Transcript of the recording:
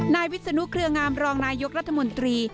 วิศนุเครืองามรองนายกรัฐมนตรี